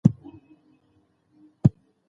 مفعول د جملې د مانا په جوړښت کښي مهمه ونډه لري.